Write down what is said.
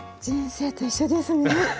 人生と一緒ですね